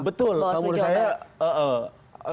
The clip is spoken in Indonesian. betul kalau menurut saya